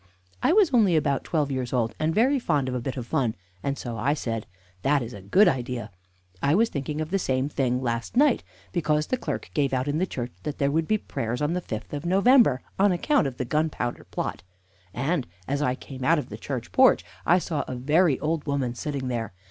I was only about twelve years old, and very fond of a bit of fun, and so I said: "That is a good idea. I was thinking of the same thing last night, because the clerk gave out in the church that there would be prayers on the fifth of November, on account of the Gunpowder Plot; and, as I came out of the church porch I saw a very old woman sitting there.